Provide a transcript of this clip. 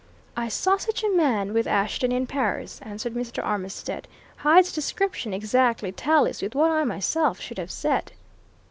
"I saw such a man with Ashton in Paris," answered Mr. Armitstead. "Hyde's description exactly tallies with what I myself should have said."